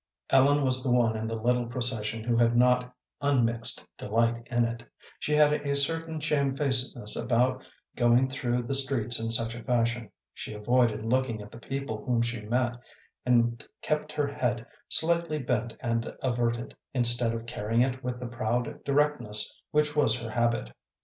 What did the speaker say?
Ellen was the one in the little procession who had not unmixed delight in it. She had a certain shamefacedness about going through the streets in such a fashion. She avoided looking at the people whom she met, and kept her head slightly bent and averted, instead of carrying it with the proud directness which was her habit.